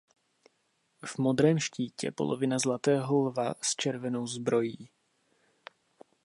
V modrém štítě polovina zlatého lva s červenou zbrojí.